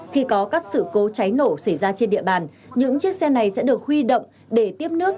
khi có các sự cố cháy nổ xảy ra trên địa bàn những chiếc xe này sẽ được huy động để tiếp nước